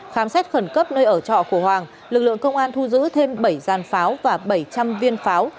khám xét khẩn cấp nơi ở trọ của hoàng lực lượng công an thu giữ thêm bảy giàn pháo và bảy trăm linh viên pháo